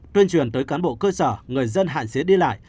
tuyên truyền tới cán bộ cơ sở người dân hạn chế đi lại